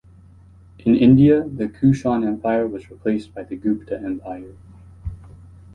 In India, the Kushan Empire was replaced by the Gupta Empire.